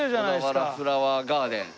小田原フラワーガーデン。